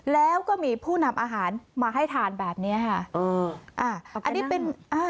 แล้วก็มีผู้นำอาหารมาให้ทานแบบเนี้ยค่ะเอออ่าอันนี้เป็นอ่า